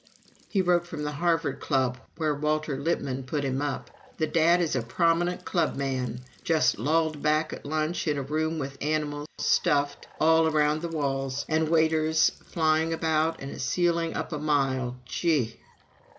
He wrote from the Harvard Club, where Walter Lippmann put him up: "The Dad is a 'prominent clubman.' Just lolled back at lunch, in a room with animals (stuffed) all around the walls, and waiters flying about, and a ceiling up a mile. Gee!"